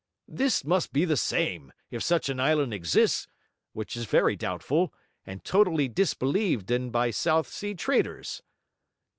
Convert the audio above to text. This must be the same, if such an island exists, which is very doubtful, and totally disbelieved in by South Sea traders.'